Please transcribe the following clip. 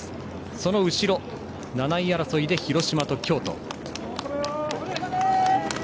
その後ろ、７位争いで広島と京都。